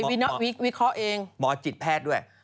หมอจิตแพทย์ด้วย